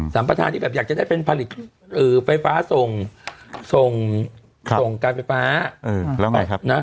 ประธานที่แบบอยากจะได้เป็นผลิตไฟฟ้าส่งส่งการไฟฟ้าแล้วไงครับนะ